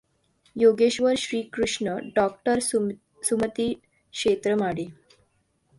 योगेश्वर श्रीकृष्ण डॉ. सुमती क्षेत्रमाडे